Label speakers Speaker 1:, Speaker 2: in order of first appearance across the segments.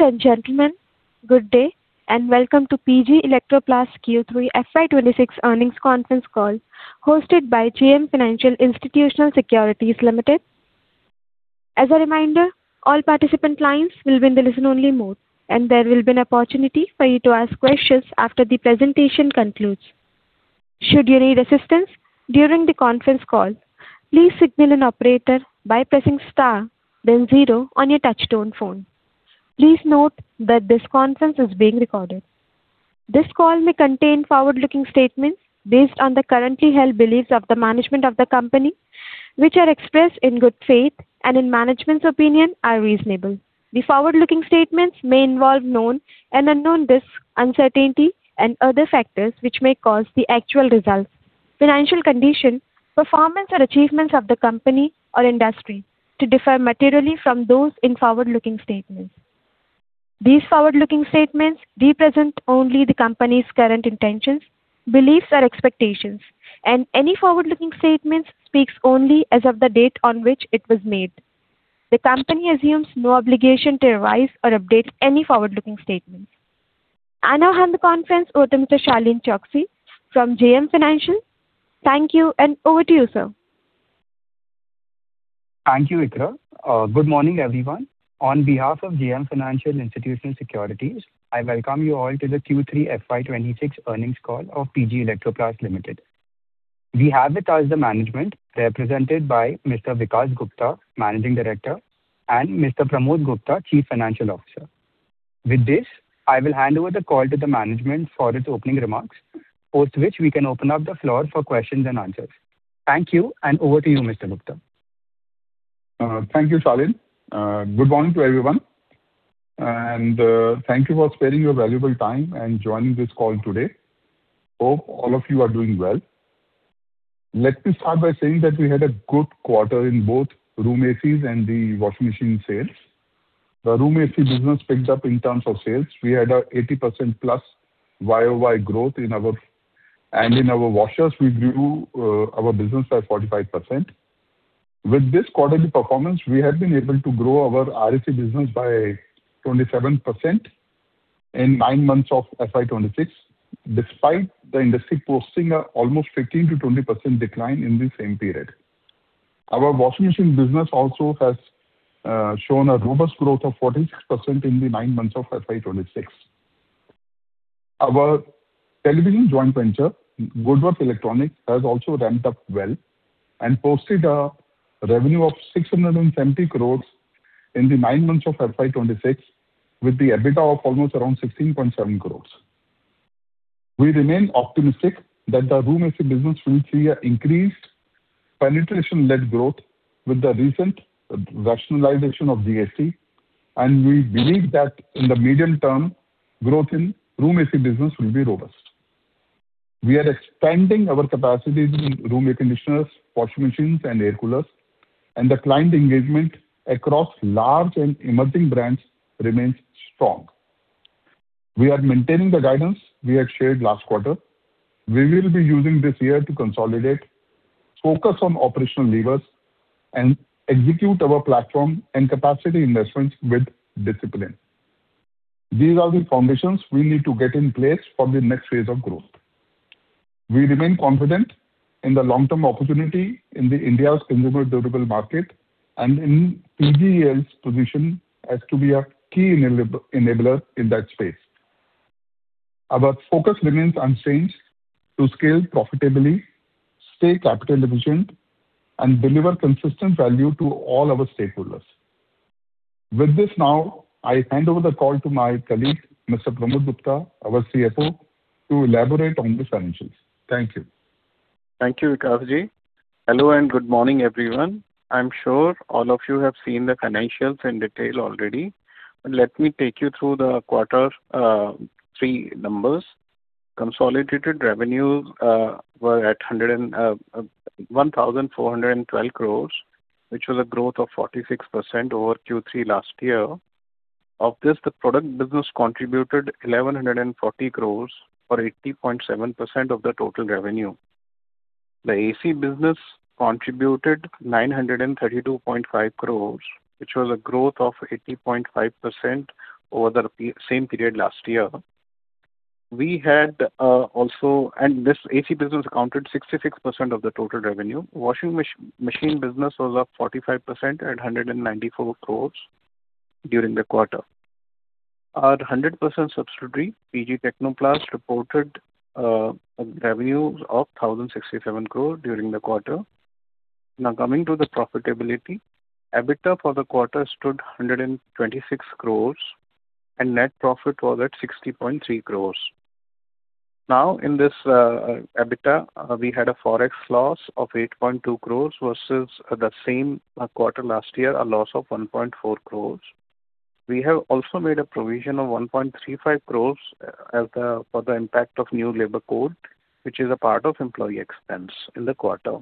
Speaker 1: Ladies and gentlemen, good day and welcome to PG Electroplast Q3 FY 2026 Earnings Conference Call hosted by JM Financial Institutional Securities Limited. As a reminder, all participant lines will be in the listen-only mode, and there will be an opportunity for you to ask questions after the presentation concludes. Should you need assistance during the conference call, please signal an operator by pressing star, then zero on your touch-tone phone. Please note that this conference is being recorded. This call may contain forward-looking statements based on the currently held beliefs of the management of the company, which are expressed in good faith and in management's opinion are reasonable. The forward-looking statements may involve known and unknown risks, uncertainty, and other factors which may cause the actual results, financial condition, performance, or achievements of the company or industry to differ materially from those in forward-looking statements. These forward-looking statements represent only the company's current intentions, beliefs, or expectations, and any forward-looking statements speak only as of the date on which it was made. The company assumes no obligation to revise or update any forward-looking statements. I now hand the conference over to Mr. Shalin Choksi from JM Financial. Thank you, and over to you, sir.
Speaker 2: Thank you, Ikra. Good morning, everyone. On behalf of JM Financial Institutional Securities, I welcome you all to the Q3 FY 2026 Earnings Call of PG Electroplast Limited. We have with us the management represented by Mr. Vikas Gupta, Managing Director, and Mr. Pramod Gupta, Chief Financial Officer. With this, I will hand over the call to the management for its opening remarks, post which we can open up the floor for questions and answers. Thank you, and over to you, Mr. Gupta.
Speaker 3: Thank you, Shaline. Good morning to everyone, and thank you for sparing your valuable time and joining this call today. Hope all of you are doing well. Let me start by saying that we had a good quarter in both room ACs and the washing machine sales. The room AC business picked up in terms of sales. We had an 80% plus YOY growth in our. And in our washers, we grew our business by 45%. With this quarterly performance, we have been able to grow our RAC business by 27% in nine months of FY 2026, despite the industry posting an almost 15%-20% decline in the same period. Our washing machine business also has shown a robust growth of 46% in the nine months of FY 2026. Our television joint venture, Goodworth Electronics, has also ramped up well and posted a revenue of 670 crore in the nine months of FY 2026 with the EBITDA of almost around 16.7 crore. We remain optimistic that the room AC business will see an increased penetration-led growth with the recent rationalization of GST, and we believe that in the medium term, growth in room AC business will be robust. We are expanding our capacities in room air conditioners, washing machines, and air coolers, and the client engagement across large and emerging brands remains strong. We are maintaining the guidance we had shared last quarter. We will be using this year to consolidate, focus on operational levers, and execute our platform and capacity investments with discipline. These are the foundations we need to get in place for the next phase of growth. We remain confident in the long-term opportunity in India's consumer durable market and in PGEL's position as to be a key enabler in that space. Our focus remains unchanged to scale profitably, stay capital-efficient, and deliver consistent value to all our stakeholders. With this now, I hand over the call to my colleague, Mr. Pramod Gupta, our CFO, to elaborate on the financials. Thank you.
Speaker 4: Thank you, Vikasji. Hello, and good morning, everyone. I'm sure all of you have seen the financials in detail already, but let me take you through the quarter three numbers. Consolidated revenues were at 1,412 crores, which was a growth of 46% over Q3 last year. Of this, the product business contributed 1,140 crores or 80.7% of the total revenue. The AC business contributed 932.5 crores, which was a growth of 80.5% over the same period last year. We had also and this AC business accounted for 66% of the total revenue. Washing machine business was up 45% at 194 crores during the quarter. Our 100% subsidiary, PG Technoplast, reported revenues of 1,067 crores during the quarter. Now, coming to the profitability, EBITDA for the quarter stood 126 crores, and net profit was at 60.3 crores. Now, in this EBITDA, we had a forex loss of 8.2 crores versus the same quarter last year, a loss of 1.4 crores. We have also made a provision of 1.35 crores for the impact of new labor code, which is a part of employee expense in the quarter.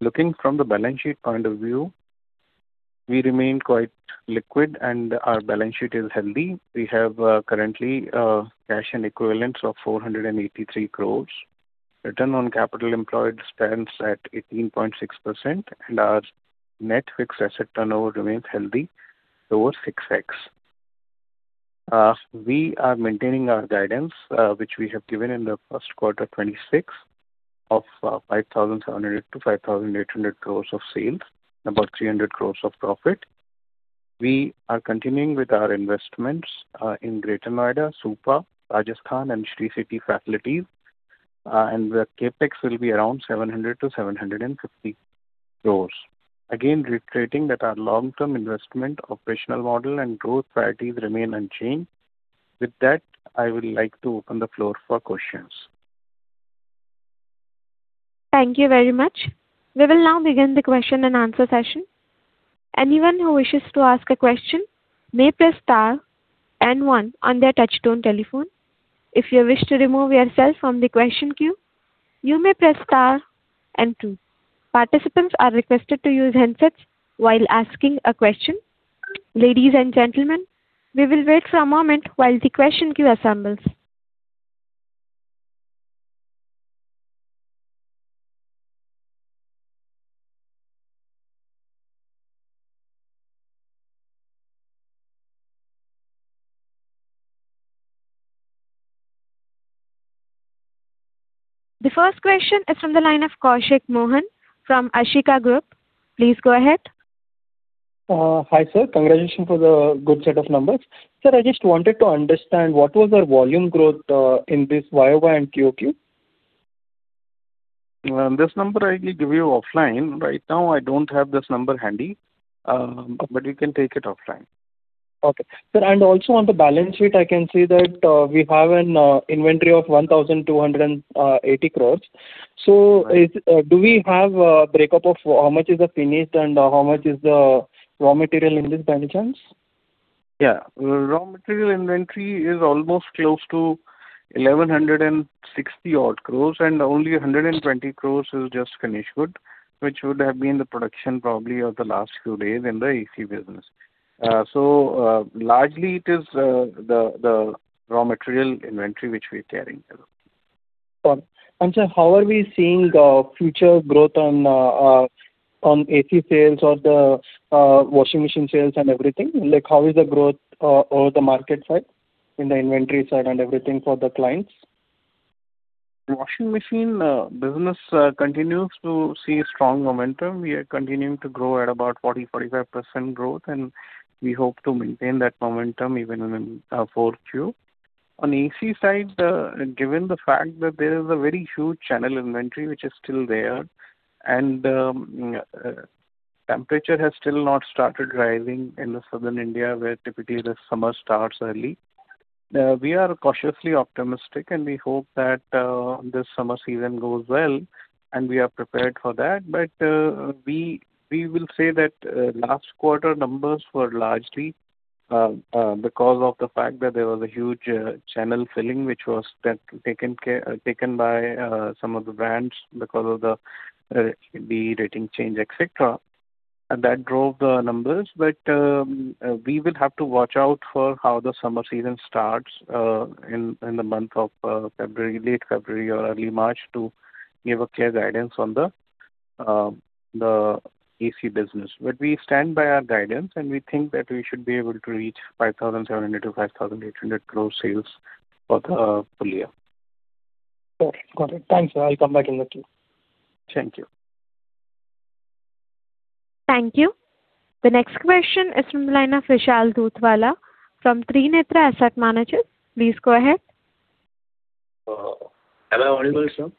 Speaker 4: Looking from the balance sheet point of view, we remain quite liquid, and our balance sheet is healthy. We have currently a cash and equivalents of 483 crores, return on capital employed stands at 18.6%, and our net fixed asset turnover remains healthy towards 6x. We are maintaining our guidance, which we have given in the first quarter 2026 of 5,700 crores-5,800 crores of sales, about 300 crores of profit. We are continuing with our investments in Greater Noida, Supa, Rajasthan, and Sri City facilities, and the CapEx will be around 700-750 crores. Again, reiterating that our long-term investment, operational model, and growth priorities remain unchanged. With that, I would like to open the floor for questions.
Speaker 1: Thank you very much. We will now begin the question-and-answer session. Anyone who wishes to ask a question may press star and one on their touch-tone telephone. If you wish to remove yourself from the question queue, you may press star and two. Participants are requested to use headsets while asking a question. Ladies and gentlemen, we will wait for a moment while the question queue assembles. The first question is from the line of Koushik Mohan from Ashika Group. Please go ahead.
Speaker 5: Hi, sir. Congratulations for the good set of numbers. Sir, I just wanted to understand what was our volume growth in this YOY and QOQ?
Speaker 4: This number I will give you offline. Right now, I don't have this number handy, but you can take it offline.
Speaker 5: Okay. Sir, and also on the balance sheet, I can see that we have an inventory of 1,280 crores. So do we have a breakup of how much is finished and how much is the raw material in this balance sheet?
Speaker 4: Yeah. Raw material inventory is almost close to 1,160-odd crore, and only 120 crore is just finished goods, which would have been the production probably of the last few days in the AC business. So largely, it is the raw material inventory which we are carrying.
Speaker 5: Okay. And, sir, how are we seeing future growth on AC sales or the washing machine sales and everything? How is the growth over the market side in the inventory side and everything for the clients?
Speaker 4: Washing machine business continues to see strong momentum. We are continuing to grow at about 40%-45% growth, and we hope to maintain that momentum even in our fourth quarter. On AC side, given the fact that there is a very huge channel inventory which is still there, and temperature has still not started rising in the southern India where typically the summer starts early, we are cautiously optimistic, and we hope that this summer season goes well, and we are prepared for that. But we will say that last quarter numbers were largely because of the fact that there was a huge channel filling, which was taken by some of the brands because of the rating change, etc., and that drove the numbers. But we will have to watch out for how the summer season starts in the month of February, late February, or early March to give a clear guidance on the AC business. But we stand by our guidance, and we think that we should be able to reach 5,700 crore-5,800 crore sales for the full year.
Speaker 5: Got it. Got it. Thanks, sir. I'll come back in the queue.
Speaker 4: Thank you.
Speaker 1: Thank you. The next question is from the line of Vishal Dhudhwala from Trinetra Asset Managers. Please go ahead.
Speaker 6: Am I audible, sir?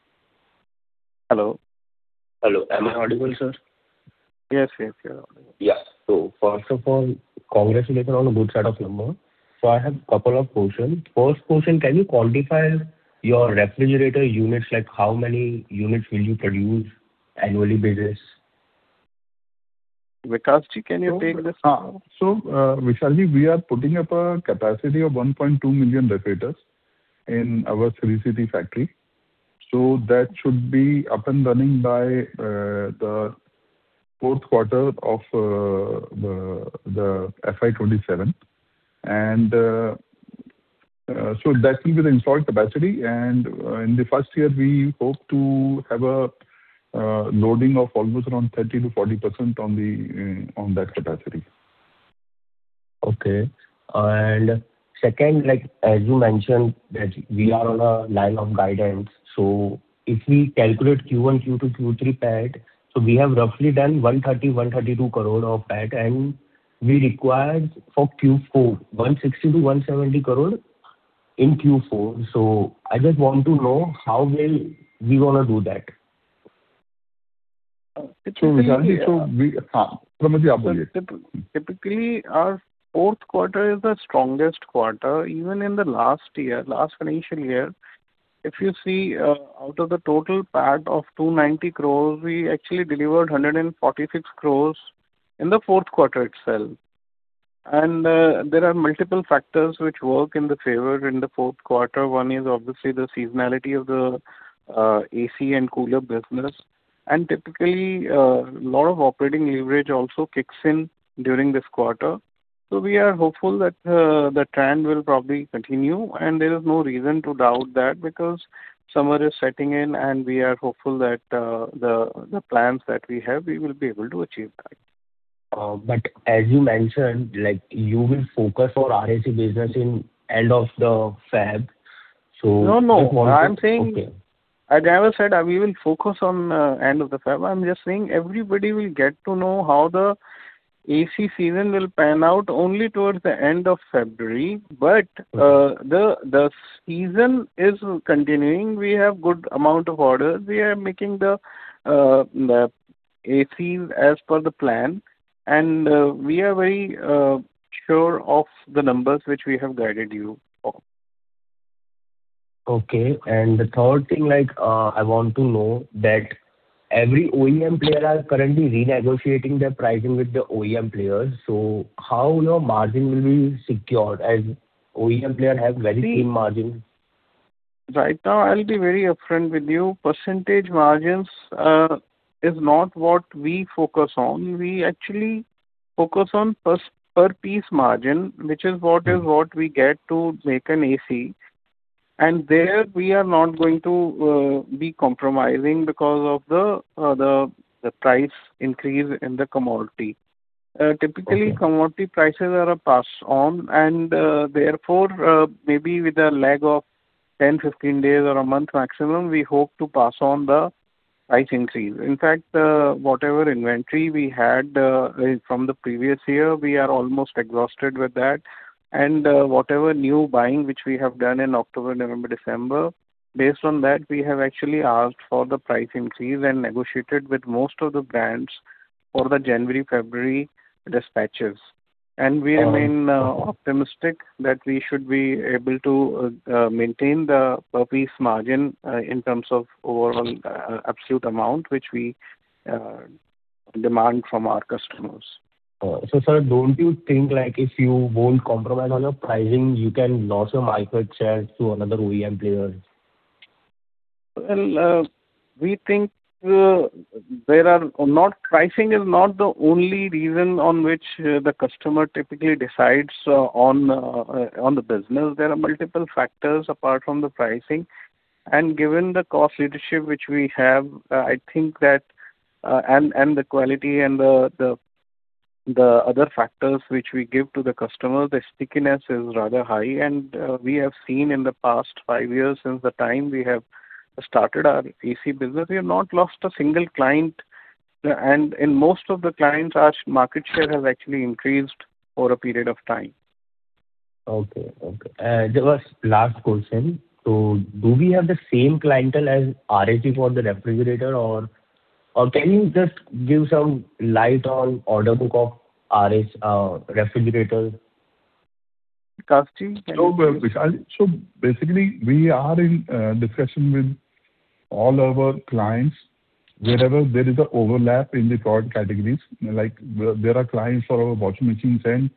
Speaker 4: Hello.
Speaker 6: Hello. Am I audible, sir?
Speaker 4: Yes, yes, you're audible.
Speaker 6: Yeah. So first of all, congratulations on the good set of numbers. So I have a couple of questions. First question, can you quantify your refrigerator units? How many units will you produce on an annual basis?
Speaker 4: Vikasji, can you take this?
Speaker 3: So Vishalji, we are putting up a capacity of 1.2 million refrigerators in our Sri City factory. That should be up and running by the fourth quarter of the FY 2027. That will be the installed capacity. In the first year, we hope to have a loading of almost around 30%-40% on that capacity.
Speaker 6: Okay. Second, as you mentioned, that we are on a line of guidance. So if we calculate Q1, Q2, Q3 PAT, so we have roughly done 130 crores, 132 crores of PAT, and we require for Q4, 160-170 crores in Q4. So I just want to know how we're going to do that.
Speaker 4: So Vishalji, so Pramodji, you buy it. Typically, our fourth quarter is the strongest quarter. Even in the last year, last financial year, if you see out of the total PAT of 290 crores, we actually delivered 146 crores in the fourth quarter itself. There are multiple factors which work in the favor in the fourth quarter. One is obviously the seasonality of the AC and cooler business. Typically, a lot of operating leverage also kicks in during this quarter. We are hopeful that the trend will probably continue, and there is no reason to doubt that because summer is setting in, and we are hopeful that the plans that we have, we will be able to achieve that.
Speaker 6: But as you mentioned, you will focus on RAC business in the end of the FAB, so it won't be okay.
Speaker 4: No, no. I'm saying as I said, we will focus on the end of the FAB. I'm just saying everybody will get to know how the AC season will pan out only towards the end of February. But the season is continuing. We have a good amount of orders. We are making the ACs as per the plan, and we are very sure of the numbers which we have guided you on.
Speaker 6: Okay. And the third thing I want to know is that every OEM player is currently renegotiating their pricing with the OEM players. So how your margin will be secured as OEM players have very slim margins?
Speaker 4: Right now, I'll be very upfront with you. Percentage margins is not what we focus on. We actually focus on per-piece margin, which is what we get to make an AC. And there, we are not going to be compromising because of the price increase in the commodity. Typically, commodity prices are passed on, and therefore, maybe with a lag of 10, 15 days, or a month maximum, we hope to pass on the price increase. In fact, whatever inventory we had from the previous year, we are almost exhausted with that. And whatever new buying which we have done in October, November, December, based on that, we have actually asked for the price increase and negotiated with most of the brands for the January-February dispatches. We remain optimistic that we should be able to maintain the per-piece margin in terms of overall absolute amount which we demand from our customers.
Speaker 6: Sir, don't you think if you won't compromise on your pricing, you can lose your market share to another OEM players?
Speaker 4: Well, we think there are not pricing is not the only reason on which the customer typically decides on the business. There are multiple factors apart from the pricing. Given the cost leadership which we have, I think that and the quality and the other factors which we give to the customer, the stickiness is rather high. We have seen in the past five years since the time we have started our AC business, we have not lost a single client. In most of the clients, our market share has actually increased over a period of time.
Speaker 6: Okay. Okay. And last question. So do we have the same clientele as RAC for the refrigerator, or can you just give some light on the order book of RH refrigerators?
Speaker 4: Vikasji, can you?
Speaker 3: So basically, we are in discussion with all our clients wherever there is an overlap in the product categories. There are clients for our washing machines and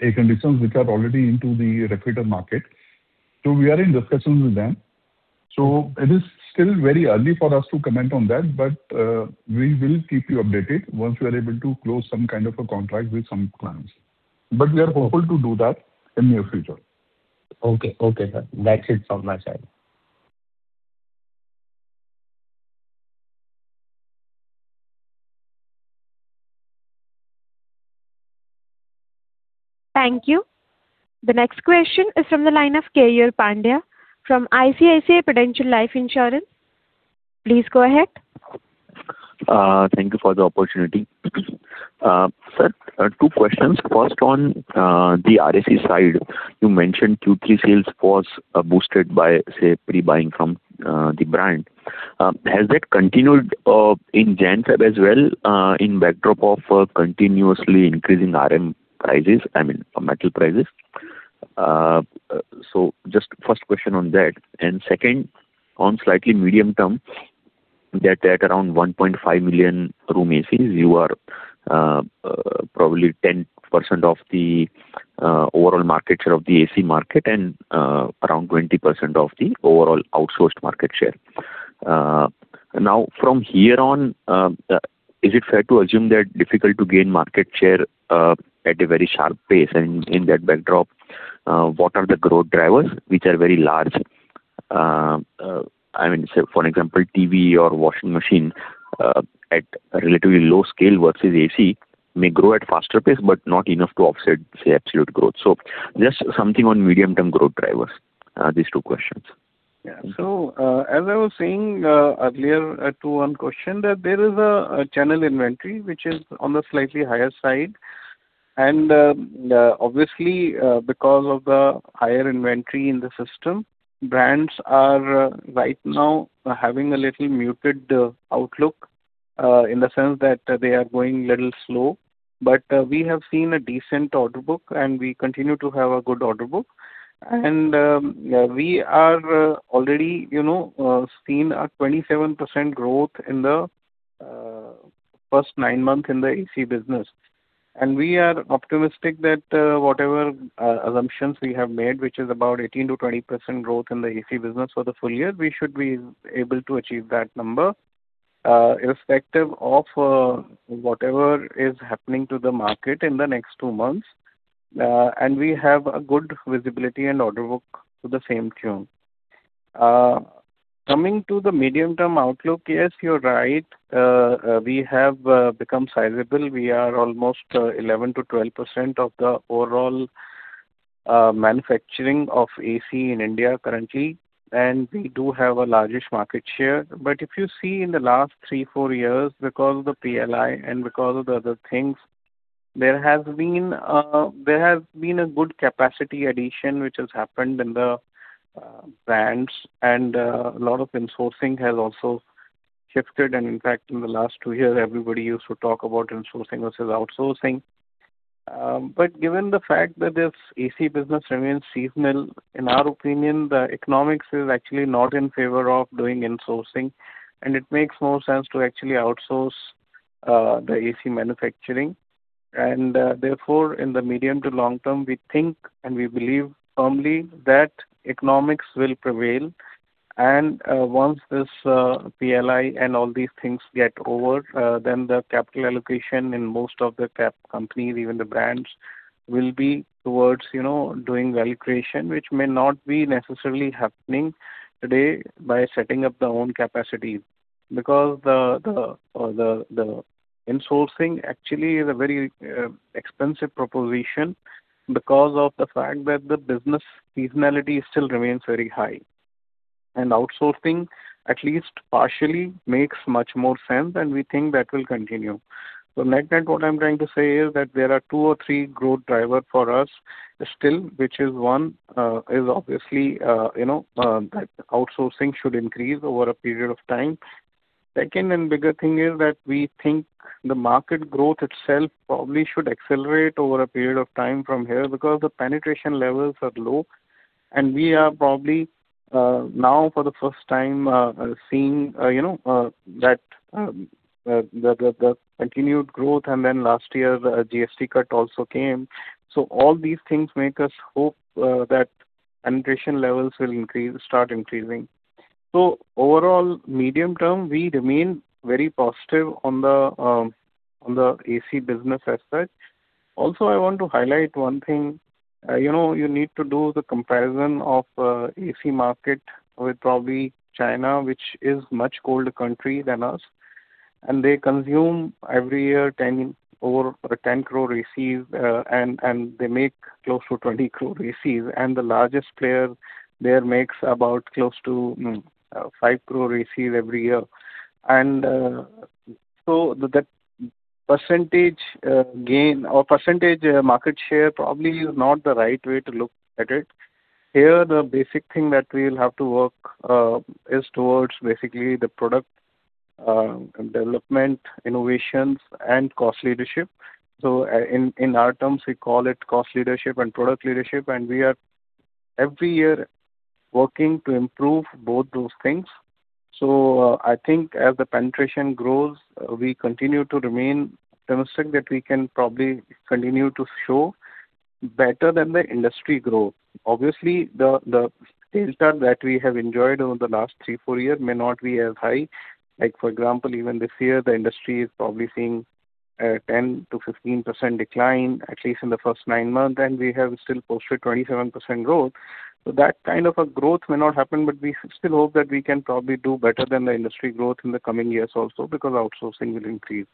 Speaker 3: air conditioners which are already into the refrigerator market. So we are in discussions with them. So it is still very early for us to comment on that, but we will keep you updated once we are able to close some kind of a contract with some clients. But we are hopeful to do that in the near future.
Speaker 6: Okay. Okay, sir. That's it from my side.
Speaker 1: Thank you. The next question is from the line of Keyur Pandya from ICICI Prudential Life Insurance. Please go ahead.
Speaker 7: Thank you for the opportunity. Sir, two questions. First, on the EMS side, you mentioned Q3 sales were boosted by, say, pre-buying from the brand. Has that continued in Q4 as well in backdrop of continuously increasing RM prices? I mean, metal prices. So just first question on that. And second, on slightly medium term, that around 1.5 million room ACs, you are probably 10% of the overall market share of the AC market and around 20% of the overall outsourced market share. Now, from here on, is it fair to assume that it's difficult to gain market share at a very sharp pace? And in that backdrop, what are the growth drivers which are very large? I mean, for example, TV or washing machine at a relatively low scale versus AC may grow at a faster pace but not enough to offset, say, absolute growth. Just something on medium-term growth drivers, these two questions.
Speaker 4: Yeah. So as I was saying earlier to one question, that there is a channel inventory which is on the slightly higher side. And obviously, because of the higher inventory in the system, brands are right now having a little muted outlook in the sense that they are going a little slow. But we have seen a decent order book, and we continue to have a good order book. And we are already seeing a 27% growth in the first nine months in the AC business. And we are optimistic that whatever assumptions we have made, which is about 18%-20% growth in the AC business for the full year, we should be able to achieve that number irrespective of whatever is happening to the market in the next two months. And we have a good visibility and order book to the same tune. Coming to the medium-term outlook, yes, you're right. We have become sizable. We are almost 11%-12% of the overall manufacturing of AC in India currently, and we do have the largest market share. But if you see in the last three-four years, because of the PLI and because of the other things, there has been a good capacity addition which has happened in the brands, and a lot of insourcing has also shifted. And in fact, in the last two years, everybody used to talk about insourcing versus outsourcing. But given the fact that this AC business remains seasonal, in our opinion, the economics is actually not in favor of doing insourcing, and it makes more sense to actually outsource the AC manufacturing. And therefore, in the medium to long term, we think and we believe firmly that economics will prevail. Once this PLI and all these things get over, then the capital allocation in most of the EMS companies, even the brands, will be towards doing value creation, which may not be necessarily happening today by setting up their own capacity because insourcing actually is a very expensive proposition because of the fact that the business seasonality still remains very high. Outsourcing, at least partially, makes much more sense, and we think that will continue. Net-net, what I'm trying to say is that there are two or three growth drivers for us still, which is one, is obviously that outsourcing should increase over a period of time. Second and bigger thing is that we think the market growth itself probably should accelerate over a period of time from here because the penetration levels are low. We are probably now, for the first time, seeing that continued growth. Then last year, a GST cut also came. So all these things make us hope that penetration levels will start increasing. Overall, medium term, we remain very positive on the AC business as such. Also, I want to highlight one thing. You need to do the comparison of the AC market with probably China, which is a much colder country than us. And they consume every year over 10 crore ACs, and they make close to 20 crore ACs. And the largest player there makes about close to 5 crore ACs every year. And so that percentage gain or percentage market share probably is not the right way to look at it. Here, the basic thing that we will have to work is towards basically the product development, innovations, and cost leadership. In our terms, we call it cost leadership and product leadership. We are every year working to improve both those things. I think as the penetration grows, we continue to remain optimistic that we can probably continue to show better than the industry growth. Obviously, the delta that we have enjoyed over the last three-four years may not be as high. For example, even this year, the industry is probably seeing a 10%-15% decline, at least in the first 9 months. We have still posted 27% growth. That kind of growth may not happen, but we still hope that we can probably do better than the industry growth in the coming years also because outsourcing will increase.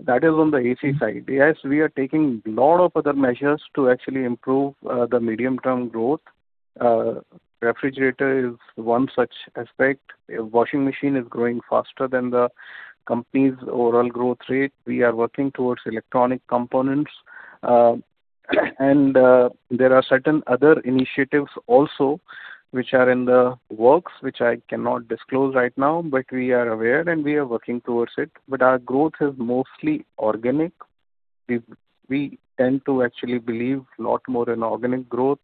Speaker 4: That is on the AC side. Yes, we are taking a lot of other measures to actually improve the medium-term growth. Refrigerator is one such aspect. Washing machine is growing faster than the company's overall growth rate. We are working towards electronic components. There are certain other initiatives also which are in the works which I cannot disclose right now, but we are aware, and we are working towards it. But our growth is mostly organic. We tend to actually believe a lot more in organic growth.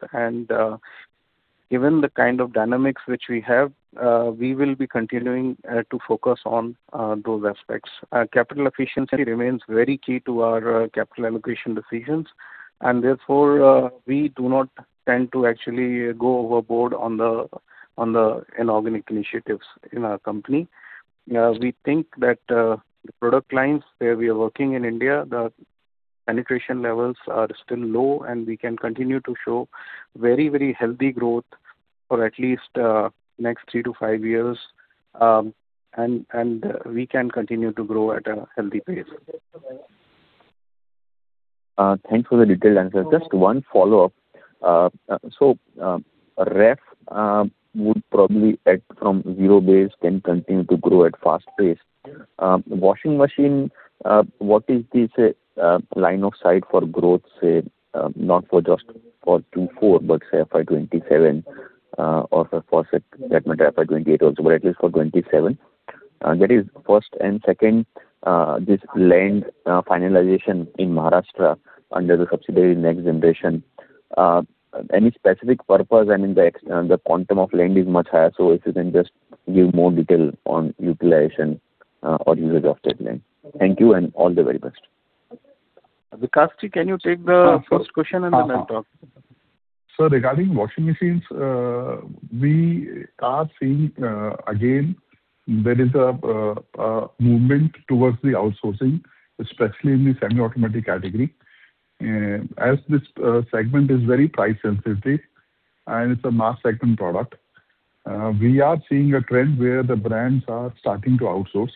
Speaker 4: Given the kind of dynamics which we have, we will be continuing to focus on those aspects. Capital efficiency remains very key to our capital allocation decisions. Therefore, we do not tend to actually go overboard on the inorganic initiatives in our company. We think that the product lines where we are working in India, the penetration levels are still low, and we can continue to show very, very healthy growth for at least the next three-five years. We can continue to grow at a healthy pace.
Speaker 7: Thanks for the detailed answer. Just one follow-up. So REF would probably add from zero base can continue to grow at a fast pace. Washing machine, what is the, say, line of sight for growth, say, not just for Q4 but, say, FY 2027 or for FY 2028 also? But at least for Q27. That is, first and second, this land finalization in Maharashtra under the subsidiary Next Generation. Any specific purpose? I mean, the quantum of land is much higher. So if you can just give more detail on utilization or usage of that land. Thank you, and all the very best.
Speaker 4: Vikasji, can you take the first question and then I'll talk?
Speaker 3: Sir, regarding washing machines, we are seeing, again, there is a movement towards the outsourcing, especially in the semi-automatic category. As this segment is very price-sensitive and it's a mass-segment product, we are seeing a trend where the brands are starting to outsource.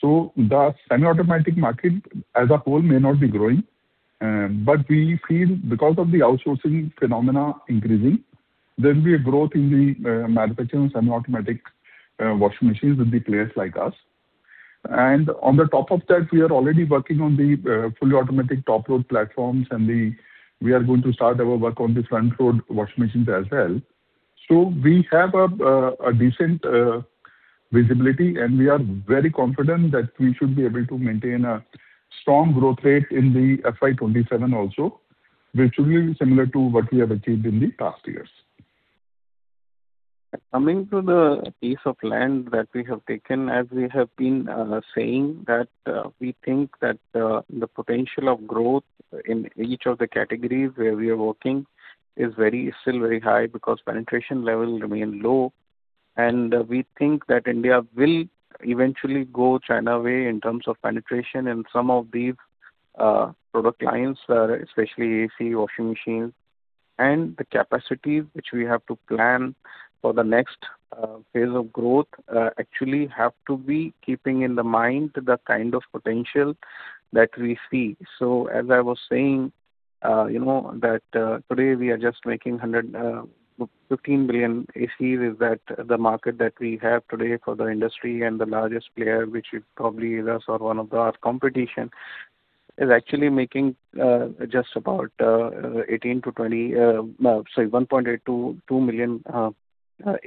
Speaker 3: So the semi-automatic market as a whole may not be growing. But we feel because of the outsourcing phenomenon increasing, there will be a growth in the manufacturing of semi-automatic washing machines with the players like us. And on the top of that, we are already working on the fully automatic top-load platforms. And we are going to start our work on the front-load washing machines as well. So we have a decent visibility, and we are very confident that we should be able to maintain a strong growth rate in the FY 2027 also, which will be similar to what we have achieved in the past years.
Speaker 4: Coming to the piece of land that we have taken, as we have been saying, that we think that the potential of growth in each of the categories where we are working is still very high because penetration levels remain low. And we think that India will eventually go China way in terms of penetration. And some of these product lines, especially AC washing machines and the capacity which we have to plan for the next phase of growth, actually have to be keeping in the mind the kind of potential that we see. So as I was saying, that today, we are just making 115 million ACs? Is that the market that we have today for the industry and the largest player, which probably is us or one of our competition, is actually making just about 18-20, sorry, 1.8-2 million ACs. But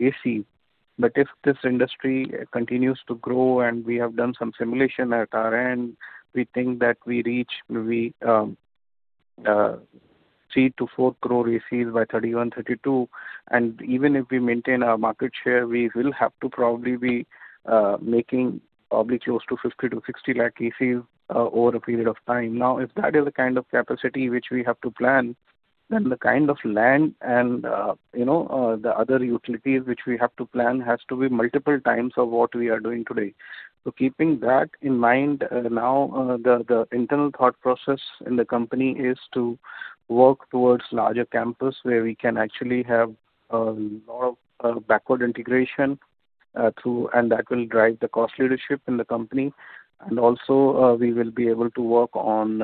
Speaker 4: if this industry continues to grow, and we have done some simulation at our end, we think that we reach maybe 3-4 crore ACs by 2031, 2032. And even if we maintain our market share, we will have to probably be making probably close to 50-60 lakh ACs over a period of time. Now, if that is the kind of capacity which we have to plan, then the kind of land and the other utilities which we have to plan has to be multiple times of what we are doing today. So keeping that in mind now, the internal thought process in the company is to work towards larger campus where we can actually have a lot of backward integration, and that will drive the cost leadership in the company. Also, we will be able to work on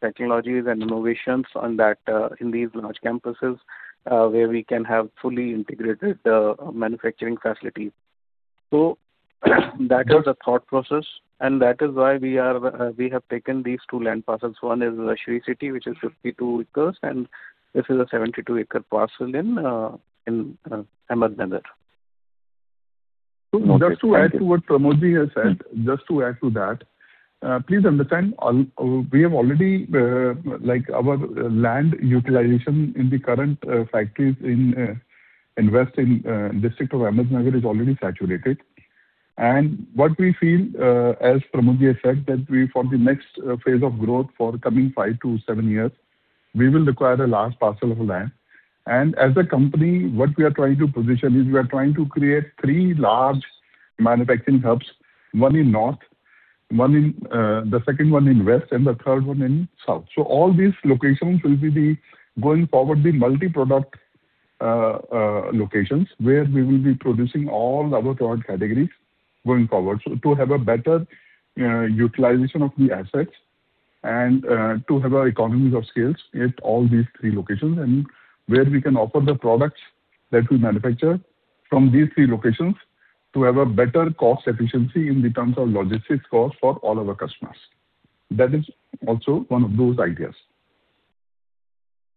Speaker 4: technologies and innovations in these large campuses where we can have fully integrated manufacturing facilities. So that is the thought process. That is why we have taken these two land parcels. One is Sri City, which is 52 acres. This is a 72-acre parcel in Ahmednagar.
Speaker 3: So just to add to what Pramod has said, just to add to that, please understand, we have already our land utilization in the current factories in West District of Ahmednagar is already saturated. What we feel, as Pramod has said, that for the next phase of growth for the coming 5-7 years, we will require a large parcel of land. As a company, what we are trying to position is we are trying to create three large manufacturing hubs: one in north, the second one in west, and the third one in south. All these locations will be going forward the multi-product locations where we will be producing all our product categories going forward to have a better utilization of the assets and to have economies of scale at all these three locations and where we can offer the products that we manufacture from these three locations to have a better cost efficiency in terms of logistics costs for all our customers. That is also one of those ideas.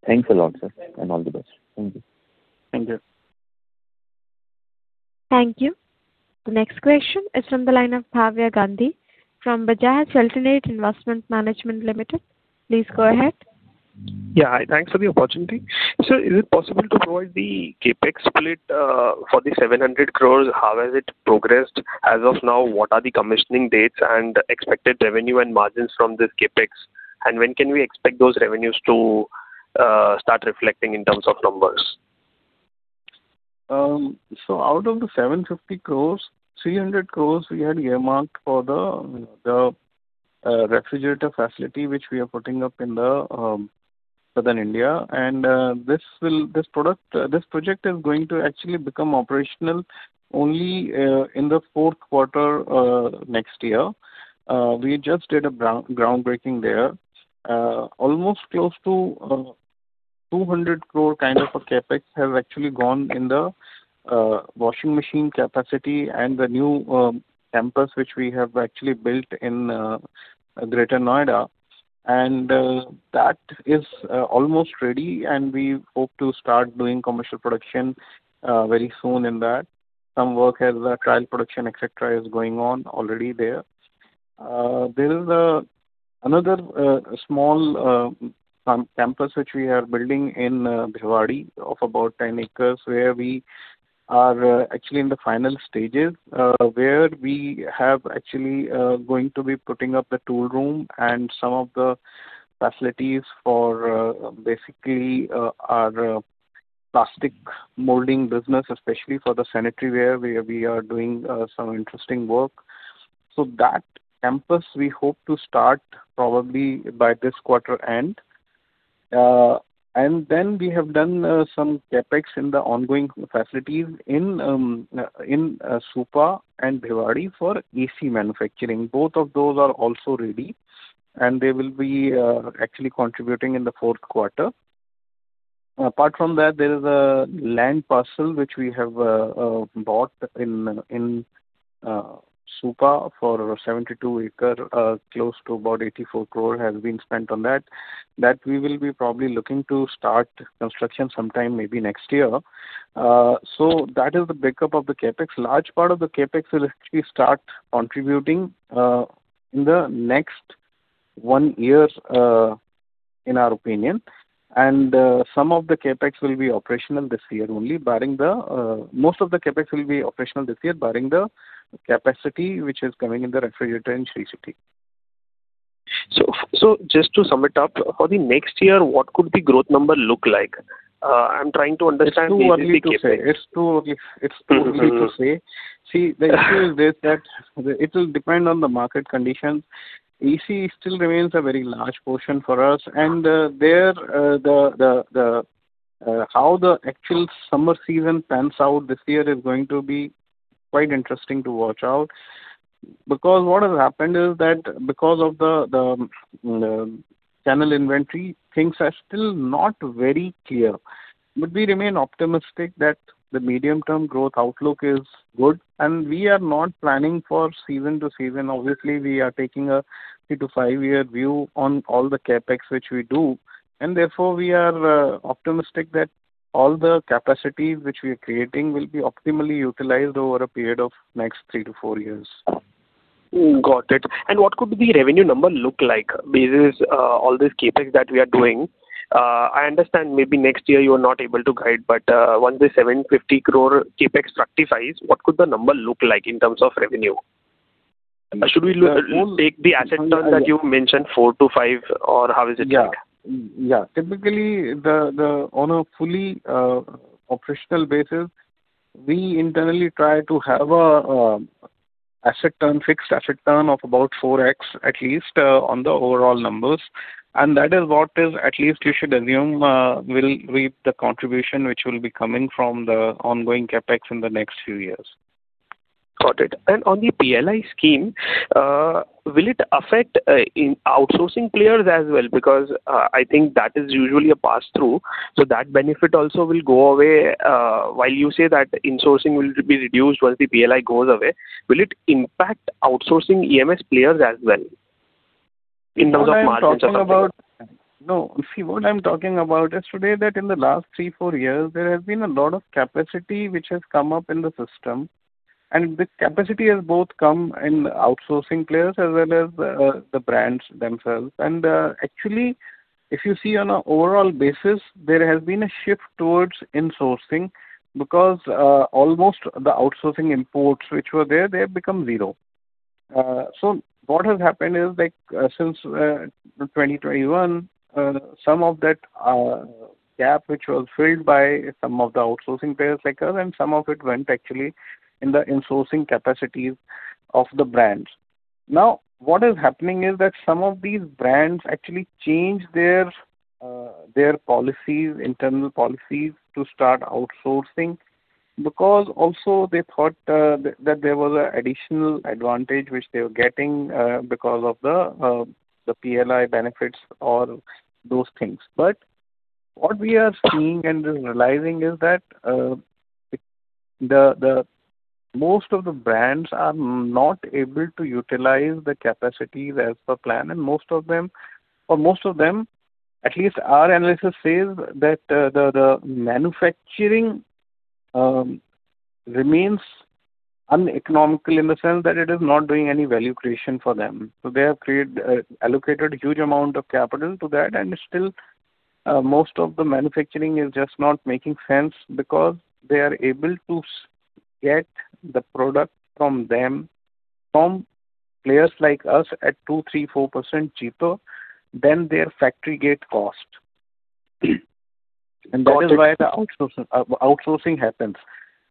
Speaker 7: Thanks a lot, sir, and all the best. Thank you.
Speaker 4: Thank you.
Speaker 1: Thank you. The next question is from the line of Bhavya Gandhi from Bajaj Alternate Investment Management Limited. Please go ahead.
Speaker 8: Yeah. Thanks for the opportunity. Sir, is it possible to provide the CapEx split for the 700 crore? How has it progressed as of now? What are the commissioning dates and expected revenue and margins from this CapEx? When can we expect those revenues to start reflecting in terms of numbers?
Speaker 4: So out of the 750 crore, 300 crore we had earmarked for the refrigerator facility which we are putting up in Southern India. And this project is going to actually become operational only in the fourth quarter next year. We just did a groundbreaking there. Almost close to 200 crore kind of a CapEx has actually gone in the washing machine capacity and the new campus which we have actually built in Greater Noida. And that is almost ready. And we hope to start doing commercial production very soon in that. Some work as a trial production, etc., is going on already there. There is another small campus which we are building in Bhiwadi of about 10 acres where we are actually in the final stages where we have actually going to be putting up the toolroom and some of the facilities for basically our plastic molding business, especially for the sanitary where we are doing some interesting work. So that campus, we hope to start probably by this quarter end. And then we have done some CapEx in the ongoing facilities in Supa and Bhiwadi for AC manufacturing. Both of those are also ready. And they will be actually contributing in the fourth quarter. Apart from that, there is a land parcel which we have bought in Supa for 72 acres, close to about 84 crore has been spent on that. That we will be probably looking to start construction sometime maybe next year. So that is the backup of the CapEx. Large part of the CapEx will actually start contributing in the next one year, in our opinion. Some of the CapEx will be operational this year only, barring the most of the CapEx will be operational this year, barring the capacity which is coming in the refrigerator in Sri City.
Speaker 8: Just to sum it up, for the next year, what could the growth number look like? I'm trying to understand the CapEx.
Speaker 4: It's too early to say. It's too early to say. See, the issue is this that it will depend on the market conditions. AC still remains a very large portion for us. And how the actual summer season pans out this year is going to be quite interesting to watch out because what has happened is that because of the channel inventory, things are still not very clear. But we remain optimistic that the medium-term growth outlook is good. And we are not planning for season to season. Obviously, we are taking a 3- to 5-year view on all the CapEx which we do. And therefore, we are optimistic that all the capacity which we are creating will be optimally utilized over a period of next three-four years.
Speaker 8: Got it. What could the revenue number look like based on all this CapEx that we are doing? I understand maybe next year you are not able to guide. Once the 750 crore CapEx fructifies, what could the number look like in terms of revenue? Should we take the asset turn that you mentioned, 4-5, or how is it?
Speaker 4: Yeah. Yeah. Typically, on a fully operational basis, we internally try to have a fixed asset turn of about 4x at least on the overall numbers. That is what is at least you should assume will reap the contribution which will be coming from the ongoing CapEx in the next few years.
Speaker 8: Got it. And on the PLI scheme, will it affect outsourcing players as well? Because I think that is usually a pass-through. So that benefit also will go away while you say that insourcing will be reduced once the PLI goes away. Will it impact outsourcing EMS players as well in terms of margins and stuff like that?
Speaker 4: No. See, what I'm talking about is today that in the last three, four years, there has been a lot of capacity which has come up in the system. And the capacity has both come in outsourcing players as well as the brands themselves. And actually, if you see on an overall basis, there has been a shift towards insourcing because almost the outsourcing imports which were there, they have become zero. So what has happened is since 2021, some of that gap which was filled by some of the outsourcing players like us, and some of it went actually in the insourcing capacities of the brands. Now, what is happening is that some of these brands actually changed their internal policies to start outsourcing because also they thought that there was an additional advantage which they were getting because of the PLI benefits or those things. What we are seeing and realizing is that most of the brands are not able to utilize the capacities as per plan. For most of them, at least our analysis says that the manufacturing remains uneconomical in the sense that it is not doing any value creation for them. They have allocated a huge amount of capital to that. Still, most of the manufacturing is just not making sense because they are able to get the product from them From players like us at 2%, 3%, 4% cheaper than their factory gate cost. That is why the outsourcing happens.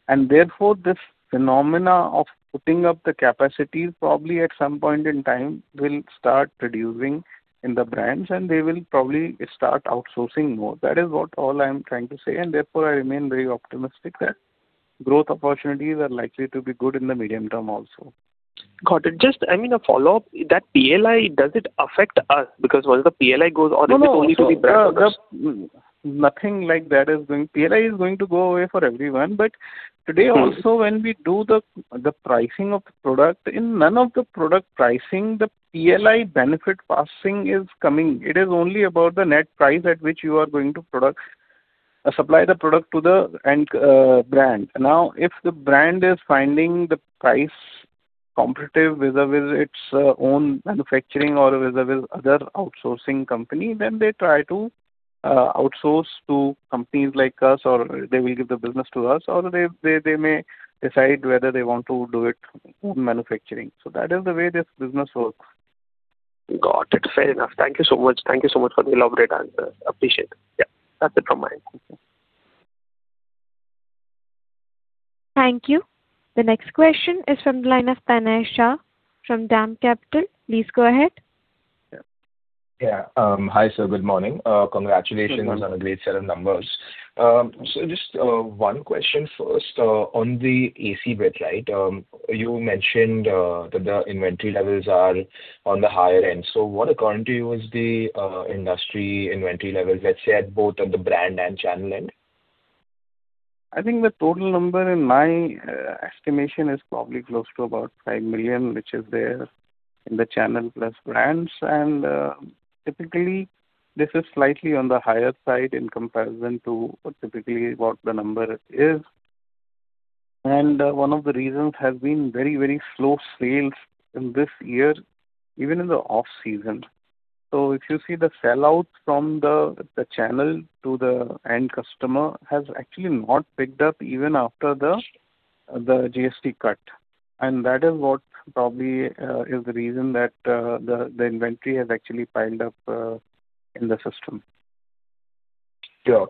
Speaker 4: Therefore, this phenomenon of putting up the capacity probably at some point in time will start reducing in the brands. They will probably start outsourcing more. That is what all I'm trying to say. Therefore, I remain very optimistic that growth opportunities are likely to be good in the medium term also.
Speaker 8: Got it. Just, I mean, a follow-up. That PLI, does it affect us? Because once the PLI goes away, is it only to the brands?
Speaker 3: Nothing like that is going. PLI is going to go away for everyone. But today also, when we do the pricing of the product, in none of the product pricing, the PLI benefit passing is coming. It is only about the net price at which you are going to supply the product to the end brand. Now, if the brand is finding the price competitive vis-à-vis its own manufacturing or vis-à-vis other outsourcing company, then they try to outsource to companies like us, or they will give the business to us, or they may decide whether they want to do it own manufacturing. So that is the way this business works.
Speaker 8: Got it. Fair enough. Thank you so much. Thank you so much for the elaborate answers. Appreciate it. Yeah. That's it from my end.
Speaker 1: Thank you. The next question is from the line of Tanay Shah from DAM Capital. Please go ahead.
Speaker 9: Yeah. Hi, sir. Good morning. Congratulations on a great set of numbers. So just one question first. On the AC business, right, you mentioned that the inventory levels are on the higher end. So what, according to you, is the industry inventory levels, let's say, at both the brand and channel end?
Speaker 4: I think the total number in my estimation is probably close to about 5 million, which is there in the channel plus brands. Typically, this is slightly on the higher side in comparison to typically what the number is. One of the reasons has been very, very slow sales in this year, even in the off-season. If you see the sellout from the channel to the end customer has actually not picked up even after the GST cut. That is what probably is the reason that the inventory has actually piled up in the system.
Speaker 9: Sure.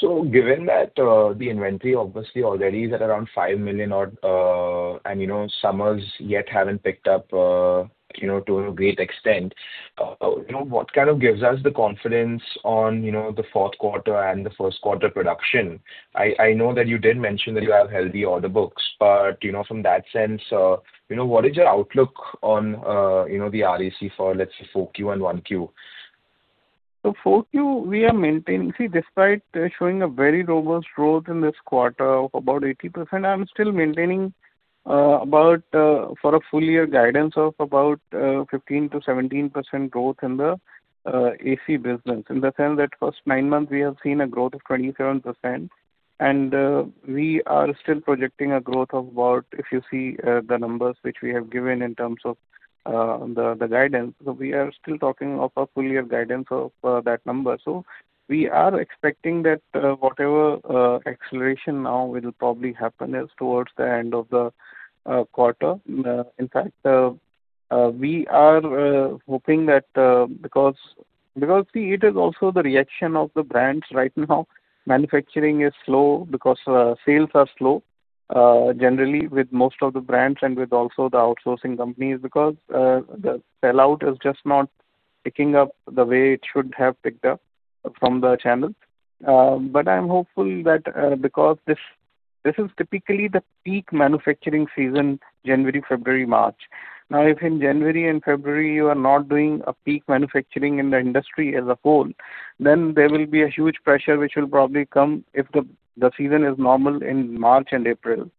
Speaker 9: So given that the inventory, obviously, already is at around 5 million and summers yet haven't picked up to a great extent, what kind of gives us the confidence on the fourth quarter and the first quarter production? I know that you did mention that you have healthy order books. But from that sense, what is your outlook on the RAC for, let's say, 4Q and 1Q?
Speaker 4: So 4Q, we are maintaining see, despite showing a very robust growth in this quarter of about 80%, I'm still maintaining for a full year, guidance of about 15%-17% growth in the AC business in the sense that first nine months, we have seen a growth of 27%. And we are still projecting a growth of about if you see the numbers which we have given in terms of the guidance, so we are still talking of a full year guidance of that number. So we are expecting that whatever acceleration now will probably happen is towards the end of the quarter. In fact, we are hoping that because see, it is also the reaction of the brands right now. Manufacturing is slow because sales are slow, generally, with most of the brands and with also the outsourcing companies because the sellout is just not picking up the way it should have picked up from the channel. But I'm hopeful that because this is typically the peak manufacturing season, January, February, March. Now, if in January and February, you are not doing a peak manufacturing in the industry as a whole, then there will be a huge pressure which will probably come if the season is normal in March and April.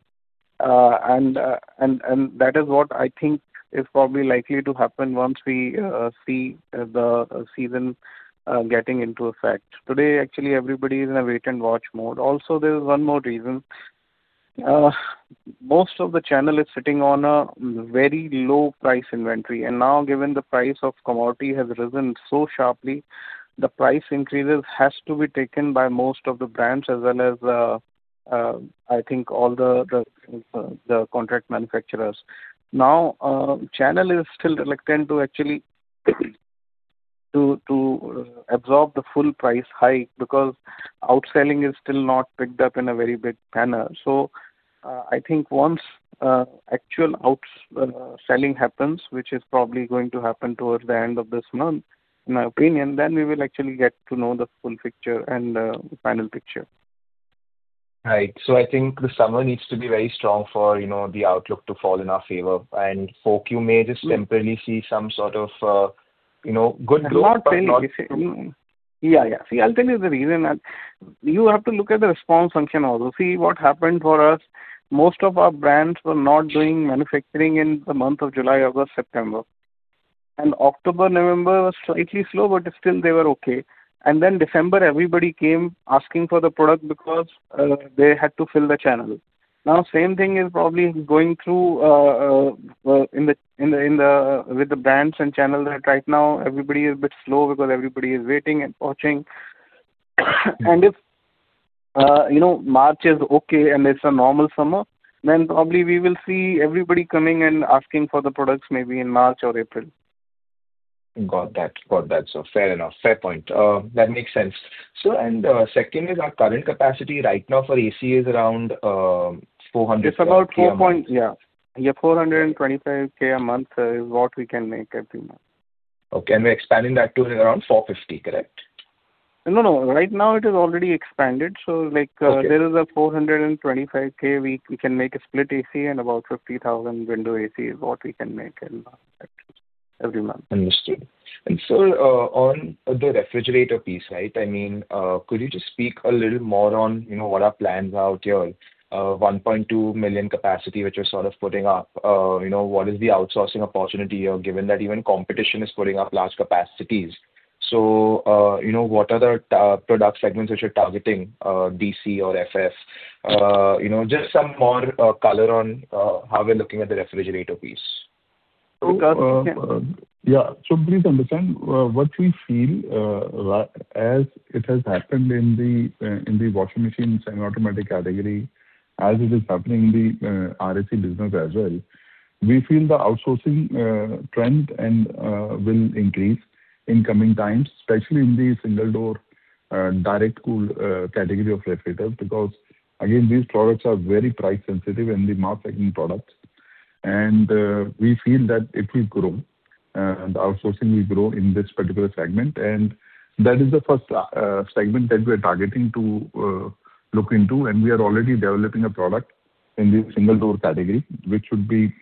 Speaker 4: And that is what I think is probably likely to happen once we see the season getting into effect. Today, actually, everybody is in a wait-and-watch mode. Also, there is one more reason. Most of the channel is sitting on a very low price inventory. Now, given the price of commodity has risen so sharply, the price increases have to be taken by most of the brands as well as, I think, all the contract manufacturers. Now, channel is still reluctant to actually absorb the full price hike because outselling is still not picked up in a very big manner. So I think once actual outselling happens, which is probably going to happen towards the end of this month, in my opinion, then we will actually get to know the full picture and final picture.
Speaker 9: Right. I think the summer needs to be very strong for the outlook to fall in our favor. 4Q may just temporarily see some sort of good growth.
Speaker 4: Yeah. Yeah. See, I'll tell you the reason. You have to look at the response function also. See what happened for us. Most of our brands were not doing manufacturing in the month of July, August, September. October, November was slightly slow, but still, they were okay. Then December, everybody came asking for the product because they had to fill the channel. Now, same thing is probably going through with the brands and channel that right now, everybody is a bit slow because everybody is waiting and watching. If March is okay and it's a normal summer, then probably we will see everybody coming and asking for the products maybe in March or April.
Speaker 9: Got that. Got that. So fair enough. Fair point. That makes sense. And second is our current capacity right now for AC is around 425.
Speaker 4: It's about 4, yeah. Yeah. 425,000 a month is what we can make every month.
Speaker 9: Okay. We're expanding that to around 450, correct?
Speaker 4: No, no. Right now, it is already expanded. So there is 425,000 we can make a split AC and about 50,000 window AC is what we can make every month.
Speaker 9: Understood. And sir, on the refrigerator piece, right, I mean, could you just speak a little more on what our plans are out here, 1.2 million capacity which you're sort of putting up? What is the outsourcing opportunity here given that even competition is putting up large capacities? So what are the product segments which you're targeting, DC or FF? Just some more color on how we're looking at the refrigerator piece.
Speaker 3: Yeah. So please understand what we feel as it has happened in the washing machine semi-automatic category as it is happening in the RAC business as well, we feel the outsourcing trend will increase in coming times, especially in the single-door direct cool category of refrigerator because, again, these products are very price-sensitive in the mass-selling products. And we feel that if we grow, the outsourcing will grow in this particular segment. And that is the first segment that we are targeting to look into. And we are already developing a product in the single-door category which should be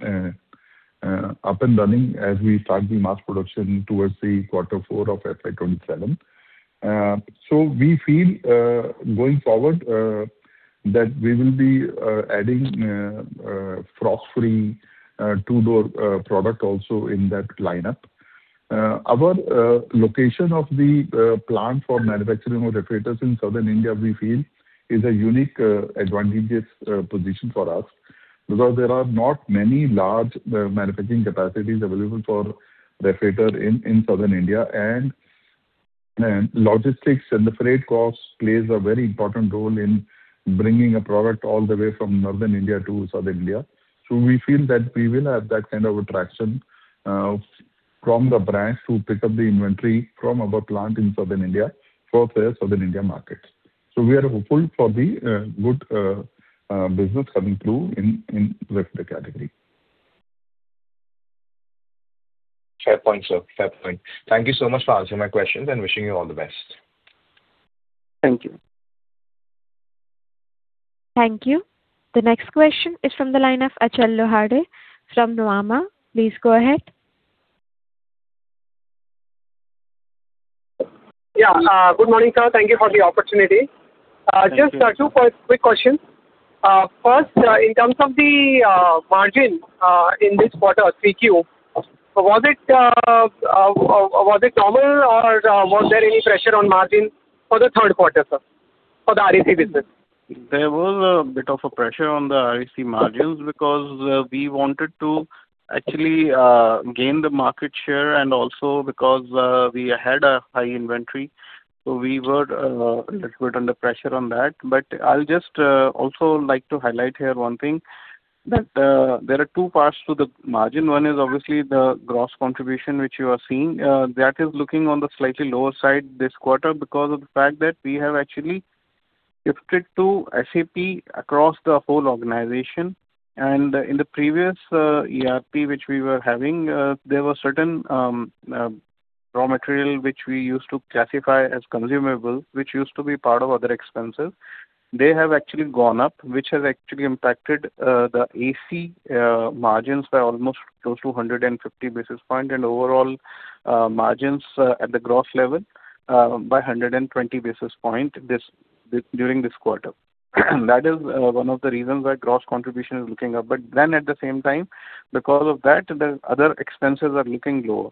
Speaker 3: up and running as we start the mass production towards the quarter four of FY 2027. So we feel going forward that we will be adding frost-free two-door product also in that lineup. Our location of the plant for manufacturing of refrigerators in southern India, we feel, is a unique advantageous position for us because there are not many large manufacturing capacities available for refrigerator in southern India. Logistics and the freight cost plays a very important role in bringing a product all the way from northern India to southern India. We feel that we will have that kind of attraction from the brands who pick up the inventory from our plant in southern India for their southern India markets. We are hopeful for the good business coming through in the refrigerator category.
Speaker 9: Fair point, sir. Fair point. Thank you so much for answering my questions and wishing you all the best.
Speaker 4: Thank you.
Speaker 1: Thank you. The next question is from the line of Achal Lohade from Nuvama. Please go ahead.
Speaker 10: Yeah. Good morning, sir. Thank you for the opportunity. Just two quick questions. First, in terms of the margin in this quarter, 3Q, was it normal or was there any pressure on margin for the third quarter, sir, for the RAC business?
Speaker 4: There was a bit of a pressure on the RAC margins because we wanted to actually gain the market share and also because we had a high inventory. So we were a little bit under pressure on that. But I'll just also like to highlight here one thing that there are two parts to the margin. One is obviously the gross contribution which you are seeing. That is looking on the slightly lower side this quarter because of the fact that we have actually shifted to SAP across the whole organization. And in the previous ERP which we were having, there were certain raw materials which we used to classify as consumables, which used to be part of other expenses. They have actually gone up, which has actually impacted the AC margins by almost close to 150 basis points and overall margins at the gross level by 120 basis points during this quarter. That is one of the reasons why gross contribution is looking up. But then at the same time, because of that, the other expenses are looking lower.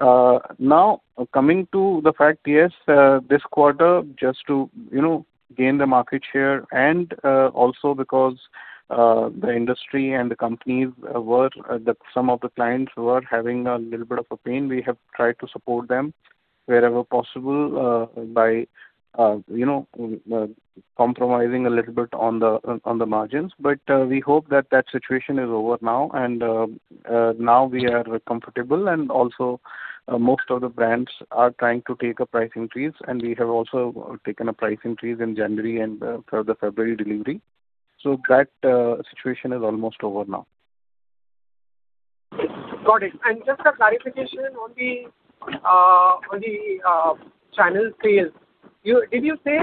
Speaker 4: Now, coming to the fact, yes, this quarter, just to gain the market share and also because the industry and the companies were some of the clients were having a little bit of a pain we have tried to support them wherever possible by compromising a little bit on the margins. But we hope that that situation is over now. And now we are comfortable. And also, most of the brands are trying to take a price increase. We have also taken a price increase in January and for the February delivery. That situation is almost over now.
Speaker 10: Got it. Just a clarification on the channel sales. Did you say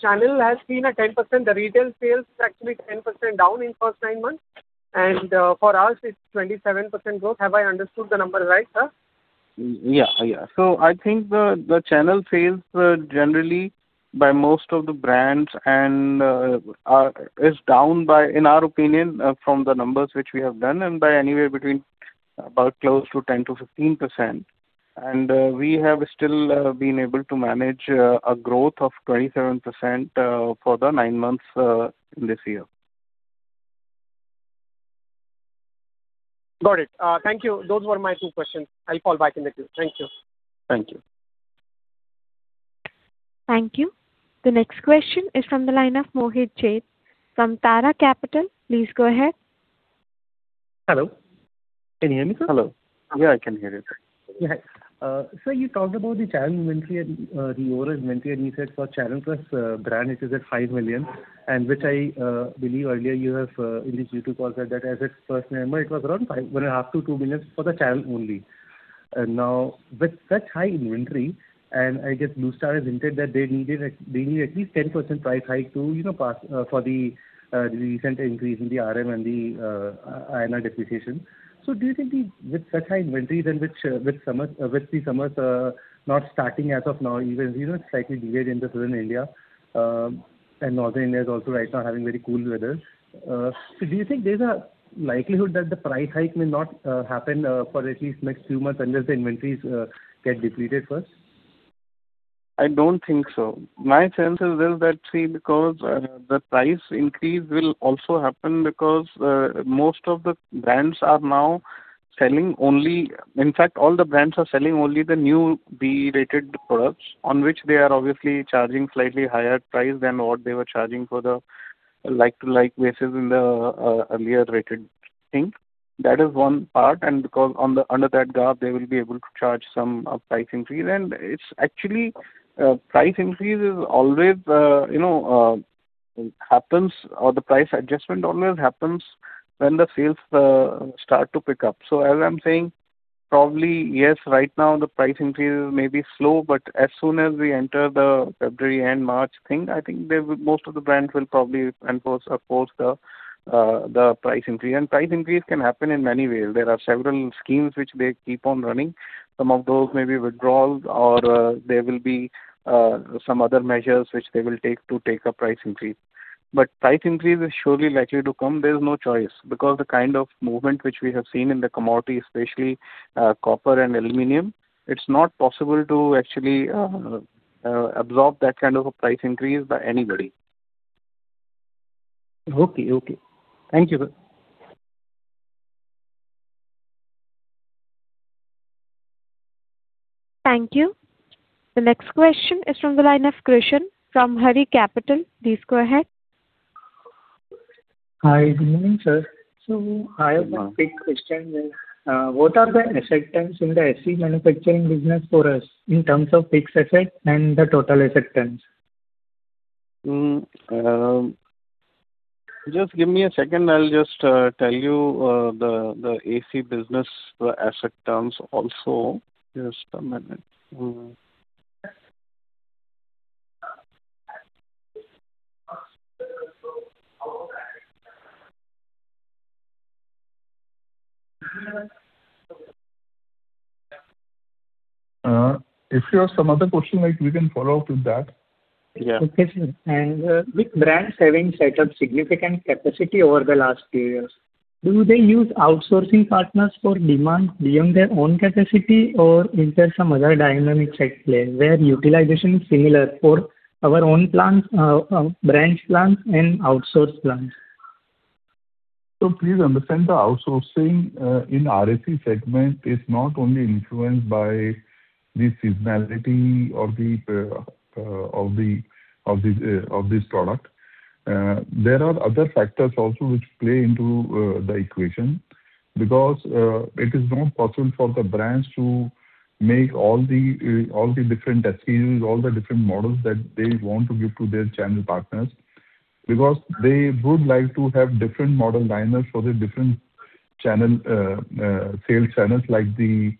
Speaker 10: channel has seen a 10%? The retail sales is actually 10% down in first nine months. For us, it's 27% growth. Have I understood the number right, sir?
Speaker 4: Yeah. Yeah. So I think the channel sales, generally, by most of the brands is down, in our opinion, from the numbers which we have done and by anywhere between about close to 10%-15%. And we have still been able to manage a growth of 27% for the nine months in this year.
Speaker 10: Got it. Thank you. Those were my two questions. I'll call back in the queue. Thank you.
Speaker 3: Thank you.
Speaker 1: Thank you. The next question is from the line of Mohit Jain from Tara Capital. Please go ahead.
Speaker 11: Hello. Can you hear me, sir?
Speaker 4: Hello. Yeah, I can hear you, sir.
Speaker 11: Yeah. Sir, you talked about the channel inventory and the overall inventory, and you said for channel plus brand, which is at 5 million, and which I believe earlier you have in the G2 call said that as its first member, it was around 1.5-2 million for the channel only. And now, with such high inventory and I guess Blue Star has hinted that they need at least 10% price hike for the recent increase in the RM and the INR depreciation. So do you think with such high inventories and with the summers not starting as of now, even slightly delayed in the southern India and northern India is also right now having very cool weather, do you think there's a likelihood that the price hike may not happen for at least next few months unless the inventories get depleted first?
Speaker 3: I don't think so. My sense is that, see, because the price increase will also happen because most of the brands are now selling only in fact, all the brands are selling only the new B-rated products on which they are obviously charging slightly higher price than what they were charging for the like-to-like basis in the earlier rated thing. That is one part. And because under that gap, they will be able to charge some price increase. And actually, price increase always happens or the price adjustment always happens when the sales start to pick up. So as I'm saying, probabl y, yes, right now, the price increase is maybe slow. But as soon as we enter the February and March thing, I think most of the brands will probably enforce the price increase. And price increase can happen in many ways. There are several schemes which they keep on running. Some of those may be withdrawals or there will be some other measures which they will take to take a price increase. But price increase is surely likely to come. There's no choice because the kind of movement which we have seen in the commodity, especially copper and aluminum, it's not possible to actually absorb that kind of a price increase by anybody.
Speaker 11: Okay. Okay. Thank you, sir.
Speaker 1: Thank you. The next question is from the line of Krishan from iDrive Capital. Please go ahead.
Speaker 12: Hi. Good morning, sir. I have a quick question. What are the asset terms in the AC manufacturing business for us in terms of fixed asset and the total asset terms?
Speaker 4: Just give me a second. I'll just tell you the AC business asset terms also. Just a minute.
Speaker 3: If you have some other question, we can follow up with that.
Speaker 4: Yeah.
Speaker 12: Okay. And with brands having set up significant capacity over the last few years, do they use outsourcing partners for demand beyond their own capacity or enter some other dynamic side play where utilization is similar for our own plants, brand's plants, and outsourced plants?
Speaker 3: So please understand the outsourcing in RAC segment is not only influenced by the seasonality of this product. There are other factors also which play into the equation because it is not possible for the brands to make all the different SKUs, all the different models that they want to give to their channel partners because they would like to have different model lineups for the different sales channels.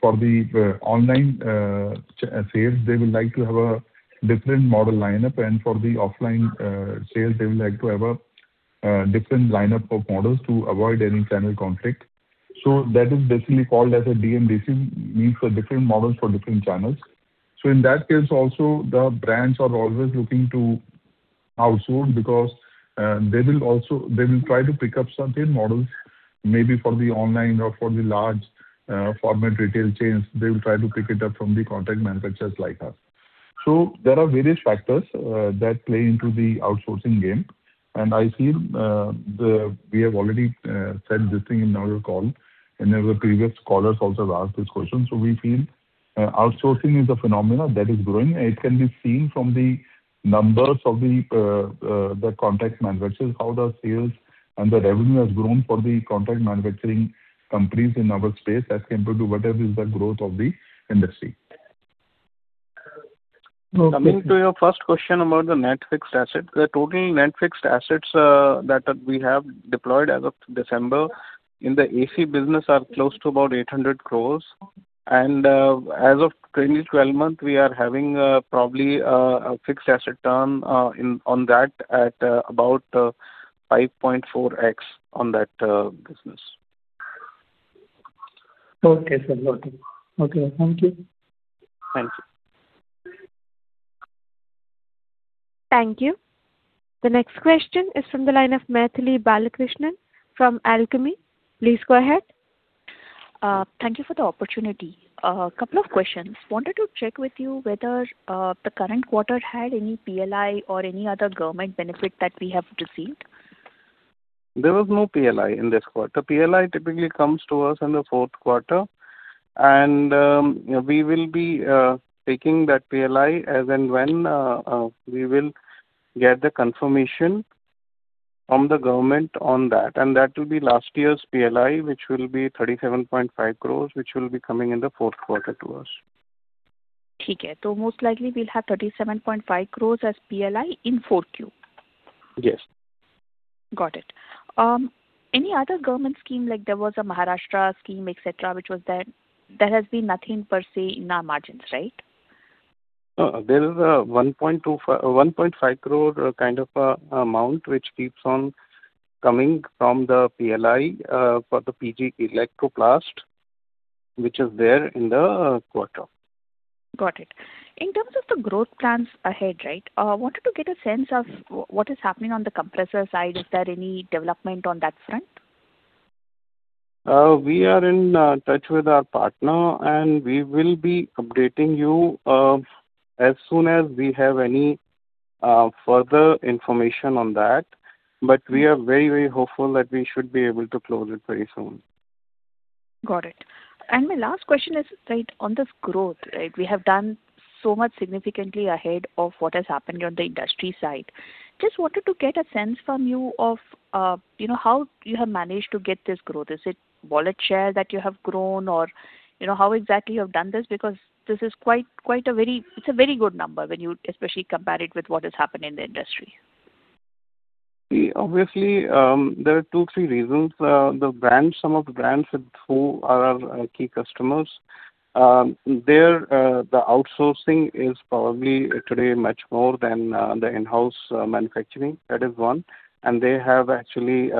Speaker 3: For the online sales, they will like to have a different model lineup. And for the offline sales, they will like to have a different lineup of models to avoid any channel conflict. So that is basically called as a DMDC, means different models for different channels. So in that case also, the brands are always looking to outsource because they will try to pick up certain models, maybe for the online or for the large format retail chains. They will try to pick it up from the contract manufacturers like us. So there are various factors that play into the outsourcing game. And I feel we have already said this thing in our call, and there were previous callers also who asked this question. So we feel outsourcing is a phenomenon that is growing. It can be seen from the numbers of the contract manufacturers, how the sales and the revenue has grown for the contract manufacturing companies in our space as compared to whatever is the growth of the industry. Coming to your first question about the net fixed assets, the total net fixed assets that we have deployed as of December in the AC business are close to about 800 crore. And as of trailing 12 months, we are having probably a fixed asset turn on that at about 5.4x on that business.
Speaker 12: Okay, sir. Got it. Okay. Thank you.
Speaker 3: Thank you.
Speaker 1: Thank you. The next question is from the line of Mythili Balakrishnan from Alchemy. Please go ahead.
Speaker 13: Thank you for the opportunity. A couple of questions. Wanted to check with you whether the current quarter had any PLI or any other government benefit that we have received.
Speaker 3: There was no PLI in this quarter. PLI typically comes to us in the fourth quarter. We will be taking that PLI as and when we will get the confirmation from the government on that. That will be last year's PLI, which will be 37.5 crore, which will be coming in the fourth quarter to us.
Speaker 13: Okay. So most likely, we'll have 37.5 crores as PLI in 4Q.
Speaker 3: Yes.
Speaker 13: Got it. Any other government scheme, like there was a Maharashtra scheme, etc., which was there, there has been nothing per se in our margins, right?
Speaker 3: There is a 1.5 crore kind of amount which keeps on coming from the PLI for the PG Electroplast, which is there in the quarter.
Speaker 13: Got it. In terms of the growth plans ahead, right, I wanted to get a sense of what is happening on the compressor side. Is there any development on that front?
Speaker 3: We are in touch with our partner, and we will be updating you as soon as we have any further information on that. But we are very, very hopeful that we should be able to close it very soon.
Speaker 13: Got it. My last question is, right, on this growth, right. We have done so much significantly ahead of what has happened on the industry side. Just wanted to get a sense from you of how you have managed to get this growth. Is it wallet share that you have grown or how exactly you have done this? Because this is quite a very it's a very good number when you especially compare it with what has happened in the industry.
Speaker 3: See, obviously, there are two, three reasons. Some of the brands who are our key customers, the outsourcing is probably today much more than the in-house manufacturing. That is one. And they have actually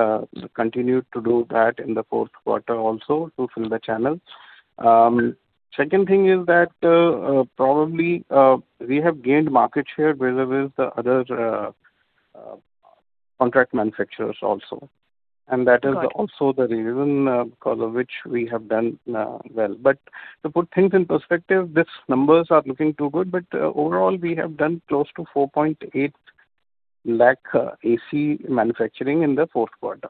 Speaker 3: continued to do that in the fourth quarter also to fill the channel. Second thing is that probably we have gained market share wherever the other contract manufacturers also. And that is also the reason because of which we have done well. But to put things in perspective, these numbers are looking too good. But overall, we have done close to 4.8 lakh AC manufacturing in the fourth quarter.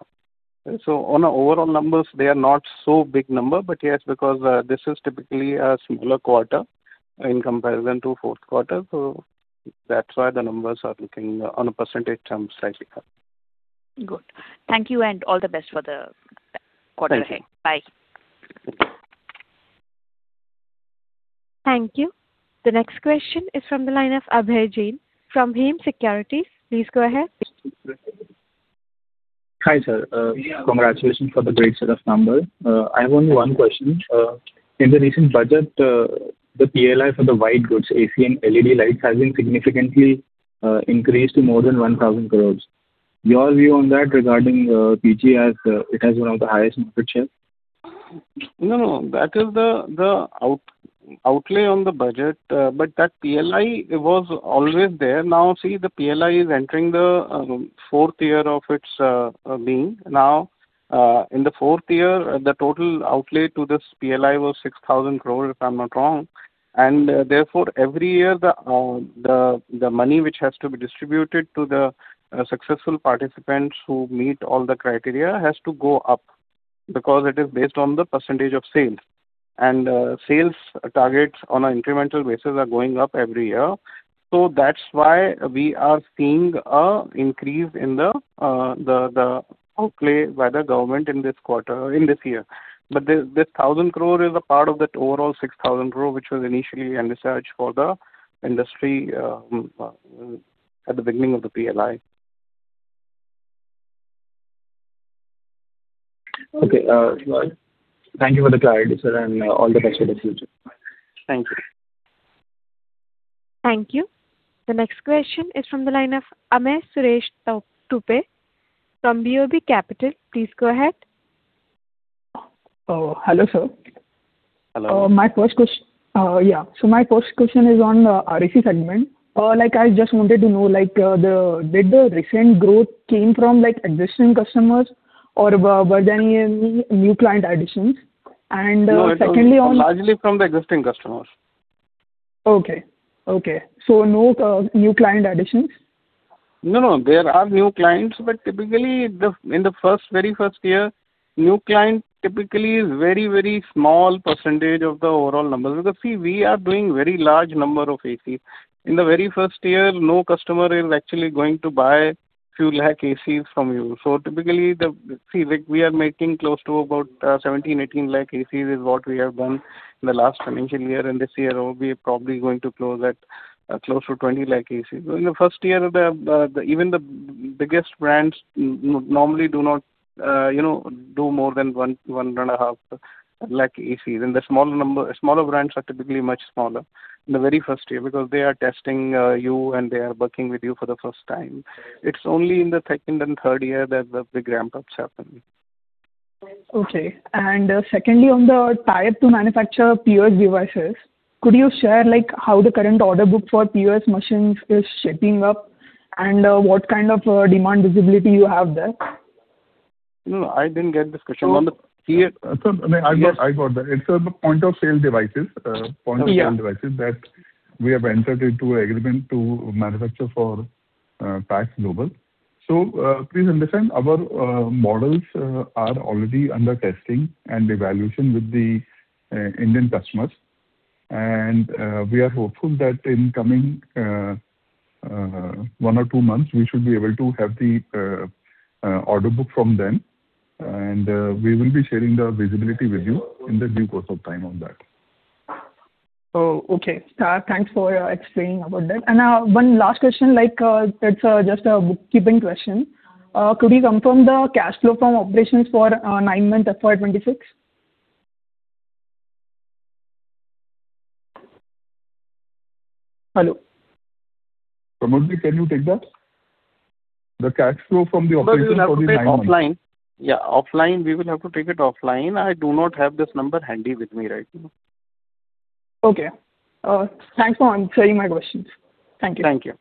Speaker 3: So on overall numbers, they are not so big number. But yes, because this is typically a smaller quarter in comparison to fourth quarter, so that's why the numbers are looking on a percentage term slightly higher.
Speaker 13: Good. Thank you. And all the best for the quarter ahead. Bye.
Speaker 1: Thank you. The next question is from the line of Abhay Jain from Hem Securities. Please go ahead.
Speaker 14: Hi, sir. Congratulations for the great set of numbers. I have only one question. In the recent budget, the PLI for the white goods, AC and LED lights, has been significantly increased to more than 1,000 crore. Your view on that regarding PG as it has one of the highest market shares?
Speaker 4: No, no. That is the outlay on the budget. But that PLI, it was always there. Now, see, the PLI is entering the fourth year of its being. Now, in the fourth year, the total outlay to this PLI was 6,000 crore, if I'm not wrong. And therefore, every year, the money which has to be distributed to the successful participants who meet all the criteria has to go up because it is based on the percentage of sales. And sales targets on an incremental basis are going up every year. So that's why we are seeing an increase in the outlay by the government in this year. But this 1,000 crore is a part of that overall 6,000 crore which was initially undercharged for the industry at the beginning of the PLI.
Speaker 14: Okay. Thank you for the clarity, sir, and all the best for the future.
Speaker 3: Thank you.
Speaker 1: Thank you. The next question is from the line of Anup Suresh from BOB Capital. Please go ahead.
Speaker 15: Hello, sir.
Speaker 3: Hello.
Speaker 15: My first question, yeah. So my first question is on the RAC segment. I just wanted to know, did the recent growth came from existing customers or were there any new client additions? And secondly.
Speaker 3: No, no. Largely from the existing customers.
Speaker 15: Okay. Okay. So no new client additions?
Speaker 3: No, no. There are new clients. But typically, in the very first year, new client typically is a very, very small percentage of the overall numbers because, see, we are doing a very large number of ACs. In the very first year, no customer is actually going to buy a few lakh ACs from you. So typically, see, we are making close to about 17-18 lakh ACs is what we have done in the last financial year. And this year, we are probably going to close at close to 20 lakh ACs. So in the first year, even the biggest brands normally do not do more than 1.5 lakh ACs. And the smaller brands are typically much smaller in the very first year because they are testing you, and they are working with you for the first time. It's only in the second and third year that the big ramp-ups happen.
Speaker 15: Okay. And secondly, on the tie-up to manufacture POS devices, could you share how the current order book for POS machines is shaping up and what kind of demand visibility you have there?
Speaker 4: No, no. I didn't get this question. I mean, I got that. It's on the point of sale devices, point of sale devices that we have entered into an agreement to manufacture for PAX Global. So please understand, our models are already under testing and evaluation with the Indian customers. And we are hopeful that in coming one or two months, we should be able to have the order book from them. And we will be sharing the visibility with you in the due course of time on that.
Speaker 15: Okay. Thanks for explaining about that. One last question. It's just a bookkeeping question. Could you confirm the cash flow from operations for 9-month FY 2026?
Speaker 4: Hallo?
Speaker 3: Pramod, can you take that? The cash flow from the operations for the nine month.
Speaker 4: No, no. Offline. Yeah. Offline, we will have to take it offline. I do not have this number handy with me, right?
Speaker 15: Okay. Thanks for answering my questions. Thank you.
Speaker 4: Thank you.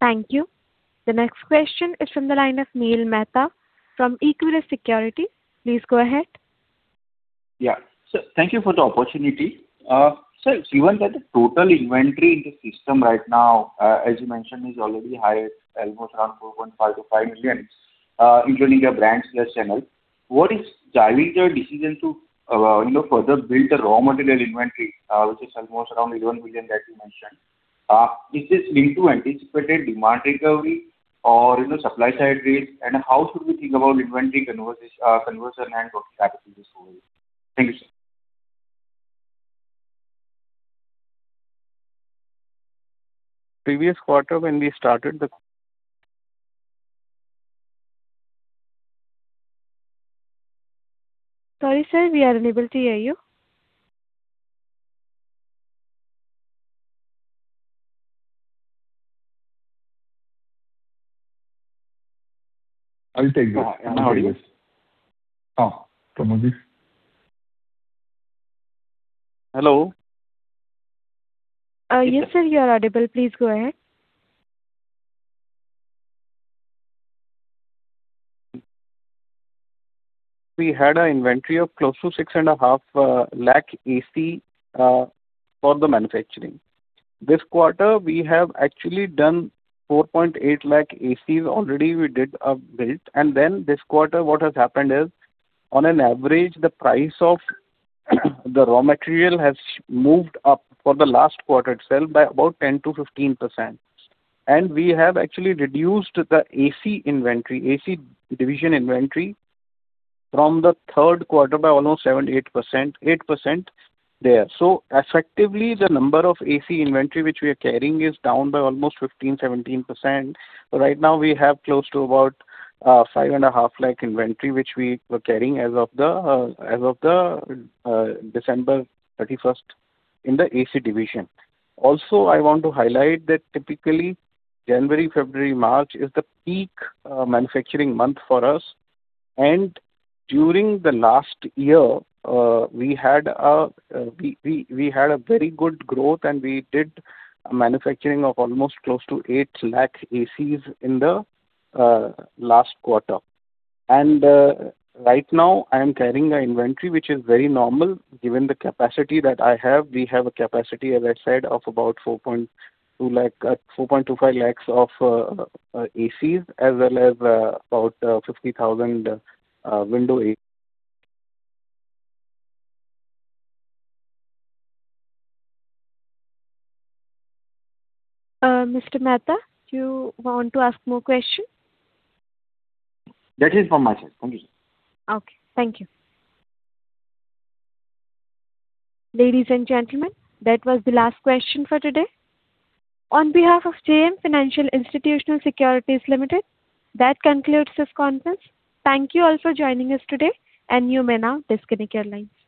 Speaker 1: Thank you. The next question is from the line of Neel Mehta from Equirus Securities. Please go ahead.
Speaker 16: Yeah. Thank you for the opportunity. Sir, given that the total inventory in the system right now, as you mentioned, is already high at almost around 4.5-5 million, including the brands plus channel, what is driving your decision to further build the raw material inventory, which is almost around 11 million that you mentioned? Is this linked to anticipated demand recovery or supply side risk? And how should we think about inventory conversion and rotary capital this way? Thank you, sir.
Speaker 4: Previous quarter, when we started the.
Speaker 1: Sorry, sir. We are unable to hear you.
Speaker 16: I will take this. I am not audible. Pramod ji?
Speaker 4: Hello?
Speaker 1: Yes, sir. You are audible. Please go ahead.
Speaker 4: We had an inventory of close to 6.5 lakh AC for the manufacturing. This quarter, we have actually done 4.8 lakh ACs already we did build. And then this quarter, what has happened is, on an average, the price of the raw material has moved up for the last quarter itself by about 10%-15%. And we have actually reduced the AC division inventory from the third quarter by almost 7%-8% there. So effectively, the number of AC inventory which we are carrying is down by almost 15%-17%. So right now, we have close to about 5.5 lakh inventory which we were carrying as of the December 31st in the AC division. Also, I want to highlight that typically, January, February, March is the peak manufacturing month for us. During the last year, we had a very good growth, and we did a manufacturing of almost close to 800,000 ACs in the last quarter. Right now, I am carrying an inventory which is very normal given the capacity that I have. We have a capacity, as I said, of about 425,000 ACs as well as about 50,000 window ACs.
Speaker 1: Mr. Mehta, do you want to ask more questions?
Speaker 16: That is from my side. Thank you, sir.
Speaker 1: Okay. Thank you. Ladies and gentlemen, that was the last question for today. On behalf of JM Financial Institutional Securities Limited, that concludes this conference. Thank you all for joining us today. And you may now disconnect your lines.